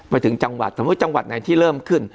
ไปถึงจังหวัดสมมุติจังหวัดไหนที่เริ่มขึ้น